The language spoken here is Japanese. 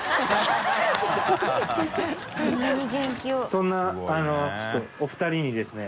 そんなお二人にですね